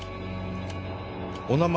お名前